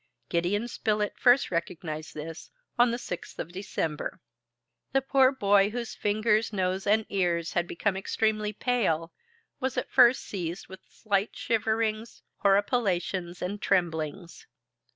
Gideon Spilett first recognized this on the 6th of December. The poor boy, whose fingers, nose, and ears had become extremely pale, was at first seized with slight shiverings, horripilations, and tremblings.